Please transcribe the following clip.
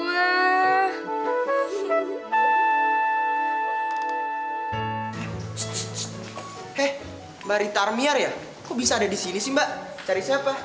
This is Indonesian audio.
eh mbak ritar miar ya kok bisa ada di sini sih mbak cari siapa